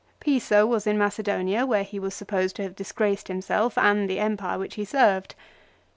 Piso was in Macedonia, where he was supposed to have disgraced himself and the empire which he served.